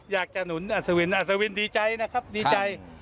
อยากจะหนุนอัสวินอัสวินดีใจนะครับดีใจ